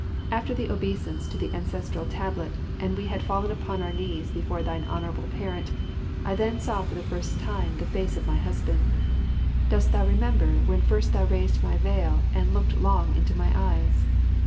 After the obeisance to the ancestral tablet and we had fallen upon our knees before thine Honourable Parent, I then saw for the first time the face of my husband. Dost thou remember when first thou raised my veil and looked long into my eyes?